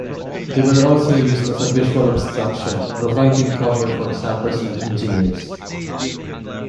They were also used as a visual obstruction, providing cover for sappers and engineers.